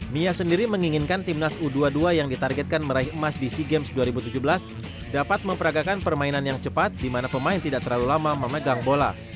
mia sendiri menginginkan timnas u dua puluh dua yang ditargetkan meraih emas di sea games dua ribu tujuh belas dapat memperagakan permainan yang cepat di mana pemain tidak terlalu lama memegang bola